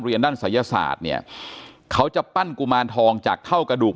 ด้านศัยศาสตร์เนี่ยเขาจะปั้นกุมารทองจากเท่ากระดูก